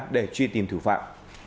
để truy tìm thủ phạm